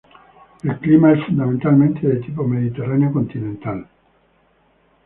El clima es fundamentalmente de tipo mediterráneo continental.